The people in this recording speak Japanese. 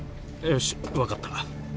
よし分かった。